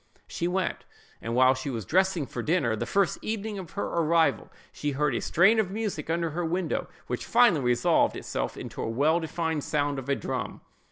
She went: and while she was dressing for dinner, the first evening of her arrival, she heard a strain of music under her window, which finally resolved itself into a well defined sound of a drum.